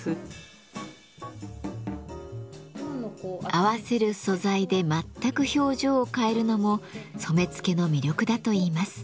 合わせる素材で全く表情を変えるのも染付の魅力だといいます。